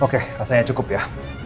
oke rasanya cukup ya